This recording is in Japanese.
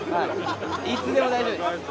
いつでも大丈夫です。